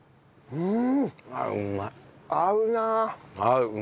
うん。